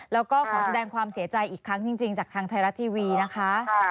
แล้วก็ขอแสดงความเสียใจอีกครั้งจริงจากทางไทยรัฐทีวีนะคะ